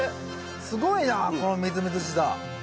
すごいなこのみずみずしさ。